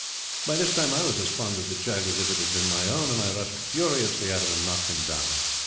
By this time I was as fond of the child as if it had been my own, and I rushed furiously at him and knocked him down.